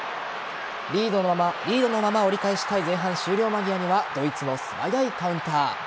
リードのまま折り返したい前半終了間際にはドイツの素早いカウンター。